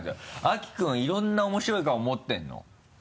秋君いろんな面白い顔持ってるの？